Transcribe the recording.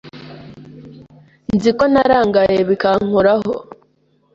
Nzi ko narangaye bikankoraho.